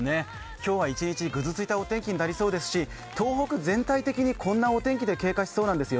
今日は一日、ぐずついたお天気になりそうですし、東北全体にこんなお天気で経過しそうなんです。